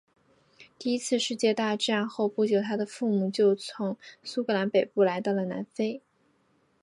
第一次世界大战后不久他的父母就从苏格兰北部来到了南非。